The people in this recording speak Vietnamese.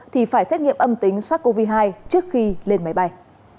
thì phải xét nghiệm âm tính sars cov hai trước khi lên máy bay